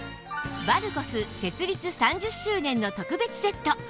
バルコス設立３０周年の特別セット